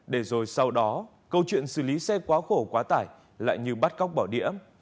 để rồi sau đó câu chuyện xử lý xe quá khổ quá tải lại như bắt cóc bỏ đĩa